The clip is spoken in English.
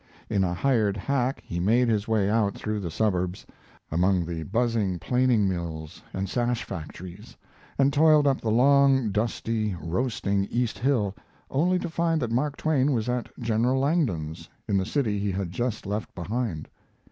In a hired hack he made his way out through the suburbs, among the buzzing planing mills and sash factories, and toiled up the long, dusty, roasting east hill, only to find that Mark Twain was at General Langdon's, in the city he had just left behind.